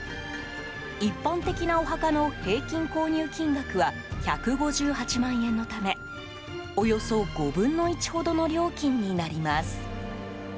一般的なお墓の平均購入金額は１５８万円のためおよそ５分の１ほどの料金になります。